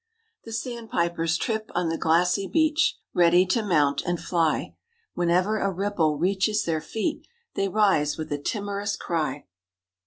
_) The sandpipers trip on the glassy beach, Ready to mount and fly; Whenever a ripple reaches their feet They rise with a timorous cry.